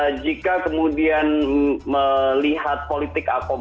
saya lihat jika kemudian melihat politik akurat